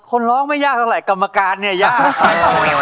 คนร้องไม่ยากเท่าไหร่กรรมการเนี่ยยากไป